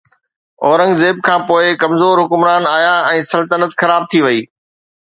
اورنگزيب کان پوءِ، ڪمزور حڪمران آيا، ۽ سلطنت خراب ٿي وئي.